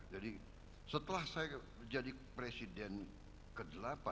jadi setelah saya jadi presiden ke delapan